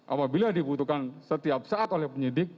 apabila dibutuhkan setiap saat oleh penyidik